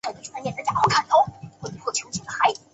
是下辖的一个乡镇级行政单位。